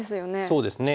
そうですね。